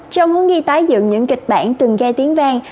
trong mối nghi tái dựng những kịch bản từng gai tiếng vang